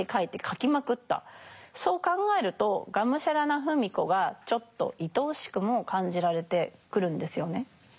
そう考えるとがむしゃらな芙美子がちょっと愛おしくも感じられてくるんですよね。